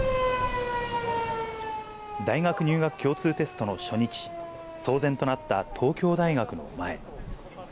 大学入学共通テストの初日、騒然となった東京大学の前。